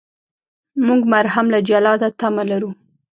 موږ مرهم له جلاده تمه لرو.